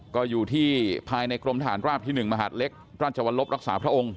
ก็อยู่ที่ภายในกรมทหารราบที่๑มหาดเล็กราชวรลบรักษาพระองค์